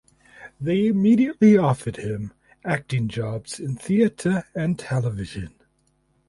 They immediately offered him acting jobs in theater and television.